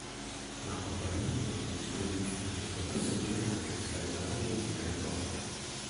La Compagnie mette a disposizione dei suoi passeggeri anche le sale lounge negli aeroporti.